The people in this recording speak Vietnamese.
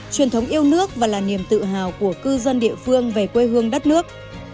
truyền thống yêu nước và là niềm tự hào của cư dân địa phương về quê hương đất nước